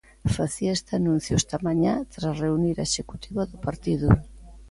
Facía este anuncio esta mañá tras reunir a executiva do partido.